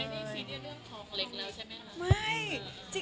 นี่ซีเรียสเรื่องท้องเล็กแล้วใช่ไหมคะ